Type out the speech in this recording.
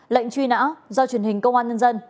lệnh truy nã do truyền hình công an nhân dân